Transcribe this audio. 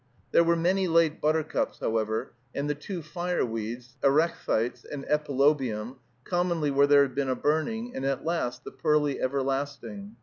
There were many late buttercups, however, and the two fire weeds, erechthites and epilobium, commonly where there had been a burning, and at last the pearly everlasting.